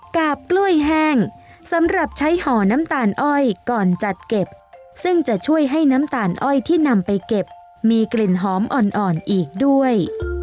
กาบกล้วยแห้งสำหรับใช้ห่อน้ำตาลอ้อยก่อนจัดเก็บซึ่งจะช่วยให้น้ำตาลอ้อยที่นำไปเก็บมีกลิ่นหอมอ่อนอีกด้วย